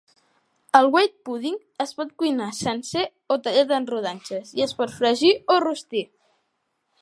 El white pudding es pot cuinar sencer o tallat en rodanxes, i es pot fregir o rostir.